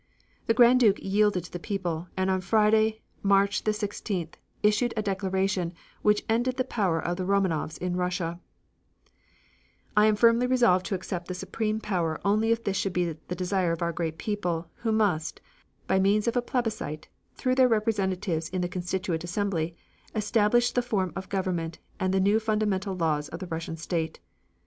The Grand Duke yielded to the people, and on Friday, March the 16th, issued a declaration which ended the power of the Romanovs in Russia: I am firmly resolved to accept the supreme power only if this should be the desire of our great people, who must, by means of a plebiscite through their representatives in the Constituent Assembly, establish the form of government and the new fundamental laws of the Russian state.